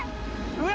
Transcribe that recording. うわ！